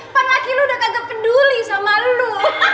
pan laki lo udah kagak peduli sama lo